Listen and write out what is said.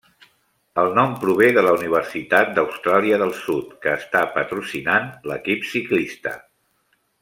El nom prové de la Universitat d'Austràlia del Sud, que està patrocinant l'equip ciclista.